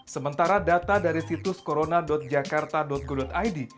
sementara data dari situs corona jakarta go id